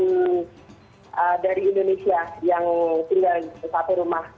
dan dari indonesia yang tinggal di satu rumah